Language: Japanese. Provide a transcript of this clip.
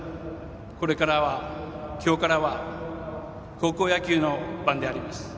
これからは、今日からは高校野球の番であります。